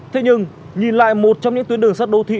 thế nhưng nhìn lại một trong những tuyến đường sắt đô thị